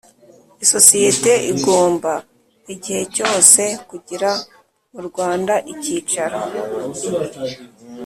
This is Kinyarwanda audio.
Isosiyete igomba igihe cyose kugira mu Rwanda icyicaro